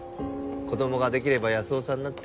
子供ができれば安生さんだって。